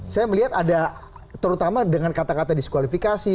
saya melihat ada terutama dengan kata kata diskualifikasi